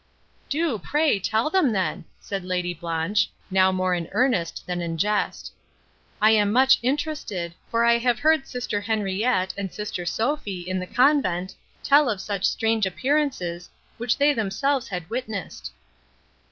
"Do, pray, tell them, then," said Lady Blanche, now more in earnest than in jest. "I am much interested, for I have heard sister Henriette, and sister Sophie, in the convent, tell of such strange appearances, which they themselves had witnessed!"